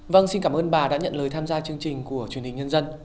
vâng xin cảm ơn bà đã nhận lời tham gia chương trình của truyền hình nhân dân